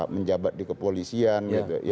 menjabat di kepolisian